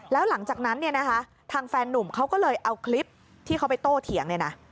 แล้วหลังจากนั้นเนี่ยนะคะทางแฟนนุ่มเขาก็เลยเอาคลิปที่เขาไปโต้เถียงเนี่ยนะ